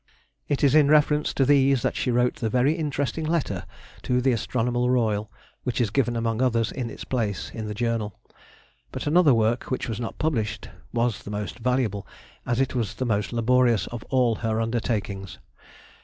It is in reference to these that she wrote the very interesting letter to the Astronomer Royal, which is given among others, in its place, in the Journal. But another work, which was not published, was the most valuable, as it was the most laborious of all her undertakings.